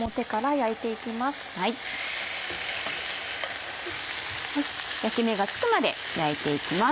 焼き目がつくまで焼いて行きます。